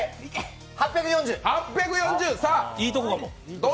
いいとこかも。